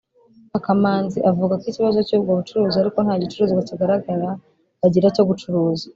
Akamanzi avuga ko ikibazo cy’ubwo bucuruzi ari uko nta gicuruzwa kigaragara bagira cyo gucuruza